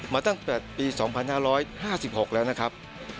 มาตั้งแต่ปี๒๕๕๖แล้วนะครับ